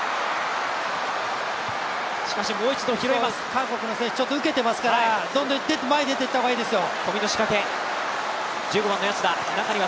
韓国の選手、ちょっと受けてますからどんどん前に出て行った方がいいですよ。